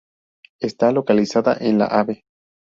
Está localizada en la Ave.